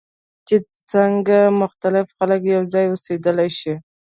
چې څنګه مختلف خلک یوځای اوسیدلی شي.